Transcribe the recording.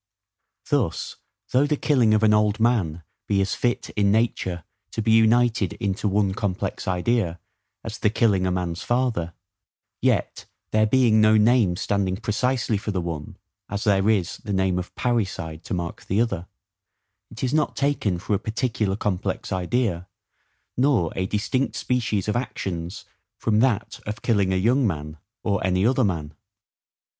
Thus, though the killing of an old man be as fit in nature to be united into one complex idea, as the killing a man's father; yet, there being no name standing precisely for the one, as there is the name of PARRICIDE to mark the other, it is not taken for a particular complex idea, nor a distinct species of actions from that of killing a young man, or any other man.